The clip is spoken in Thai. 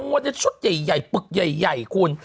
งบได้ชุดใหญ่ปึกใหญ่คุณ